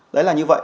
đấy là như vậy